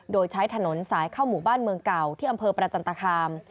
โดยใช้ถนนสายเข้าหมู่บ้านเมืองเก่าที่อำเภอประจันตคาม